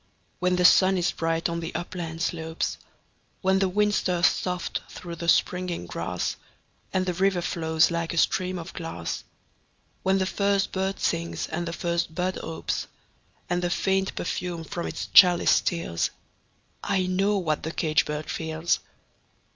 When the sun is bright on the upland slopes; When the wind stirs soft through the springing grass, And the river flows like a stream of glass; When the first bird sings and the first bud opes, And the faint perfume from its chalice steals I know what the caged bird feels!